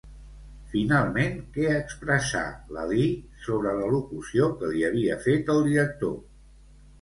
Finalment, què expressà Lalí sobre l'al·locució que li havia fet el director?